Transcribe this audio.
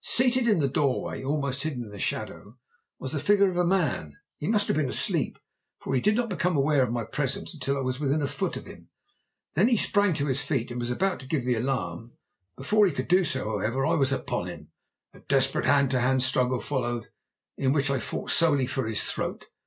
Seated in the doorway, almost hidden in the shadow, was the figure of a man. He must have been asleep, for he did not become aware of my presence until I was within a foot of him. Then he sprang to his feet and was about to give the alarm. Before he could do so, however, I was upon him. A desperate hand to hand struggle followed, in which I fought solely for his throat.